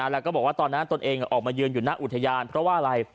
แล้วก็บอกว่าตอนนั้นตนเองออกมายืนอยู่หน้าอุทยานเพราะว่าอะไร